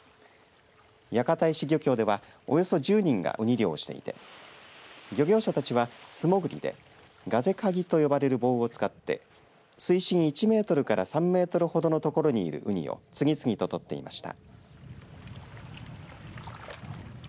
屋形石漁協ではおよそ１０人がうに漁をしていて漁業者たちは素潜りでガゼカギで呼ばれる棒を使って水深１メートルから３メートルほどの所にいるうにを次々と取っていました。